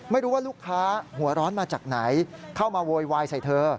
ไม่รู้ว่าลูกค้าหัวร้อนมาจากไหนเข้ามาโวยวายใส่เธอ